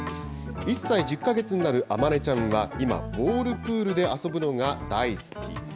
１歳１０か月になる周ちゃんは、今、ボールプールで遊ぶのが大好き。